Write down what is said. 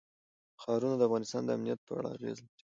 ښارونه د افغانستان د امنیت په اړه اغېز لري.